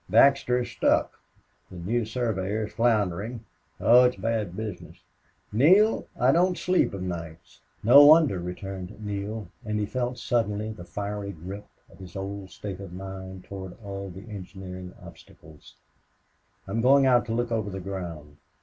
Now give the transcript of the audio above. Baxter's stuck. The new surveyor is floundering. Oh, it's bad business. Neale... I don't sleep of nights." "No wonder," returned Neale, and he felt suddenly the fiery grip of his old state of mind toward all the engineering obstacles. "I'm going out to look over the ground."